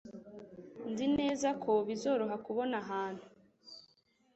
Nzi neza ko bizoroha kubona ahantu.